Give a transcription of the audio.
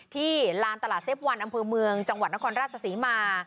ลานตลาดเซฟวันอำเภอเมืองจังหวัดนครราชศรีมา